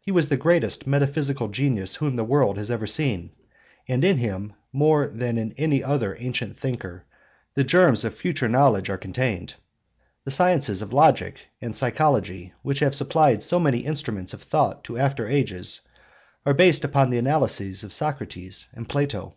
He was the greatest metaphysical genius whom the world has seen; and in him, more than in any other ancient thinker, the germs of future knowledge are contained. The sciences of logic and psychology, which have supplied so many instruments of thought to after ages, are based upon the analyses of Socrates and Plato.